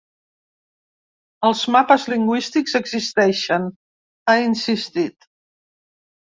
Els mapes lingüístics existeixen, ha insistit.